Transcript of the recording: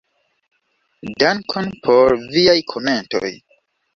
Dankon por viaj komentoj.